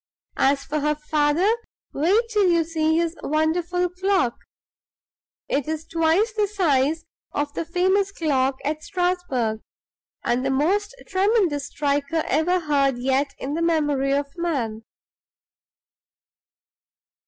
As for her father, wait till you see his wonderful clock! It's twice the size of the famous clock at Strasbourg, and the most tremendous striker ever heard yet in the memory of man!"